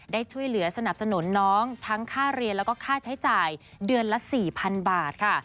ได้ช่วยเหลือสนับสนุนน้องทั้งค่าเรียนแล้วก็ค่าใช้จ่ายเดือนละ๔๐๐๐บาทค่ะ